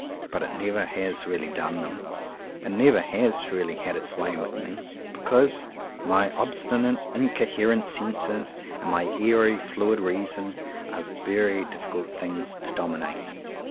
But it never has really done them: it never has really had its way with me; because my obstinate, incoherent senses, and my airy, fluid reason, are very difficult things to dominate.